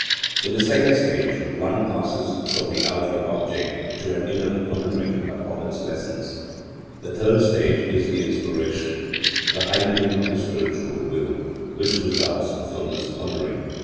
In the second stage, one passes from the outer object to an inner pondering upon its lessons. The third stage is the inspiration, the heightening of the spiritual will, which results from this pondering.